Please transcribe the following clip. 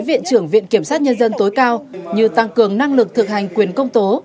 viện trưởng viện kiểm soát dân tối cao như tăng cường năng lực thực hành quyền công tố